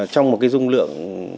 trong một cái dung lượng